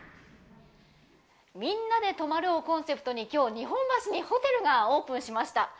みんなで泊まるをコンセプトに今日、日本橋にホテルがオープンしました。